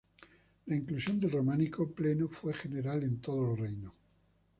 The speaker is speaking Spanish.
La inclusión del románico pleno fue general en todos los reinos.